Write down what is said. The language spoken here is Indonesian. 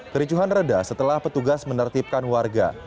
kericuhan reda setelah petugas menertibkan warga